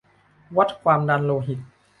วัดความดันโลหิต